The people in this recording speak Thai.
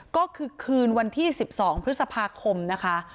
ก็คือคืนวันที่๑๒พฤษภาคมนะคะ